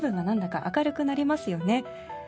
なんだか明るくなりますよね。